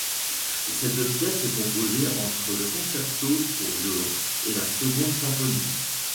Cette pièce est composée entre le concerto pour violon et la seconde symphonie.